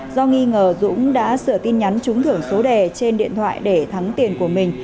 do nghi ngờ dũng đã sửa tin nhắn trúng thưởng số đề trên điện thoại để thắng tiền của mình